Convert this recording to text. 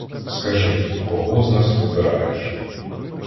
Скажи, кого з нас вибираєш?